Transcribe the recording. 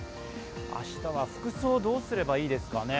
明日は服装、どうすればいいですかね？